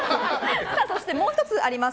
そして、もう１つあります。